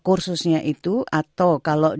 kursusnya itu atau kalau